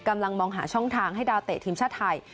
กำลังมองหาช่องทางให้ดาวเตะทีมชาติไทย